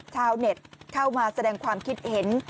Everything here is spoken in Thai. ชาวเน็ตเข้ามาแสดงความคิดเห็น